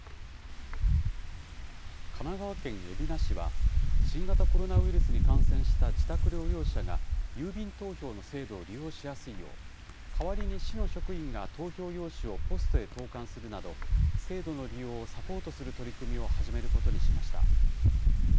神奈川県海老名市は、新型コロナウイルスに感染した自宅療養者が、郵便投票の制度を利用しやすいよう、代わりに市の職員が投票用紙をポストへ投かんするなど、制度の利用をサポートする取り組みを始めることにしました。